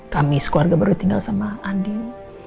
kami sekeluarga baru ditinggal sama andin